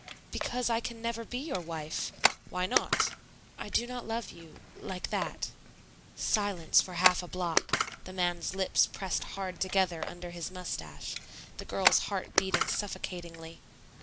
"Because I can never be your wife." "Why not?" "I do not love you like that." Silence for half a block, the man's lips pressed hard together under his mustache, the girl's heart beating suffocatingly.